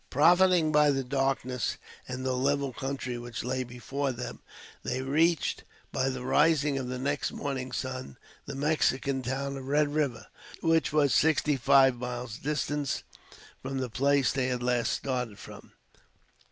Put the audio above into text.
Profiting by the darkness and the level country which lay before them, they reached, by the rising of the next morning's sun, the Mexican town of Red River, which was sixty five miles distant from the place they had last started from.